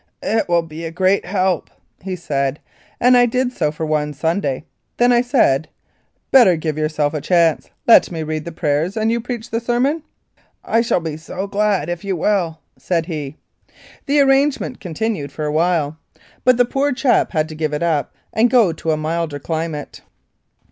"It will be a great help," he said, and I did so for one Sunday. Then I said, "Better give yourself a chance. Let me read the prayers and you preach the sermon ?" "I shall be so glad if you will," said he. This arrangement continued a while, but 44 1888. Lethbridge the poor chap had to give it up and go to a milder climate.